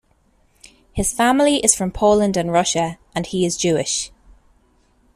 His family is from Poland and Russia, and he is Jewish.